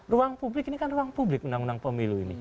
ruang publik ini kan ruang publik undang undang pemilu ini